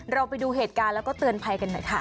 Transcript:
ไปดูเหตุการณ์แล้วก็เตือนภัยกันหน่อยค่ะ